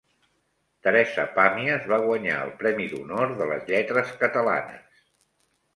Teresa Pàmies va guanyar el Premi d'Honor de les Lletres catalanes.